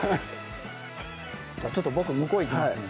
ちょっと僕向こう行きますね